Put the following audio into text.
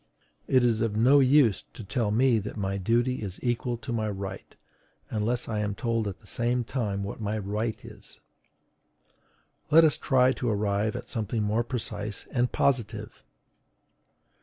It is of no use to tell me that my duty is equal to my right, unless I am told at the same time what my right is. Let us try to arrive at something more precise and positive.